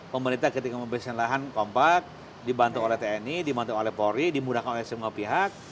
pemerintah ketika membersihkan lahan kompak dibantu oleh tni dibantu oleh polri dimudahkan oleh semua pihak